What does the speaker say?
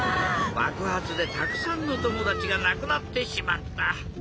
ばくはつでたくさんのともだちがなくなってしまった。